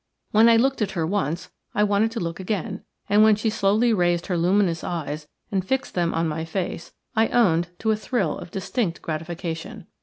When I looked at her once I wanted to look again, and when she slowly raised her luminous eyes and fixed them on my face I owned to a thrill of distinct gratification.